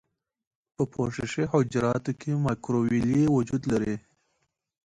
په پوښښي حجراتو کې مایکروویلې وجود لري.